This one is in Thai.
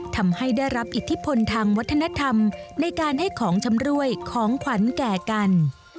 ทำให้ได้รับอิทธิพลทางวัฒนธรรมในการให้ของชำรวยของขวัญแก่กัน